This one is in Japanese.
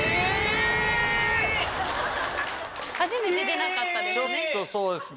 初めて出なかったですね。